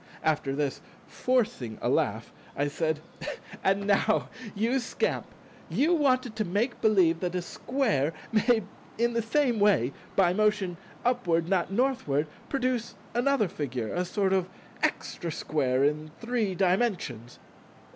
After this, forcing a laugh, I said, "And now, you scamp, you wanted to make believe that a Square may in the same way by motion 'Upward, not Northward' produce another figure, a sort of extra square in Three Dimensions.